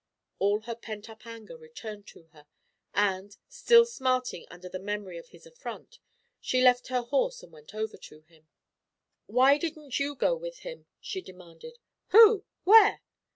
All her pent up anger returned to her, and, still smarting under the memory of his affront, she left her horse and went over to him. "Why didn't you go with him?" she demanded. "Who where?"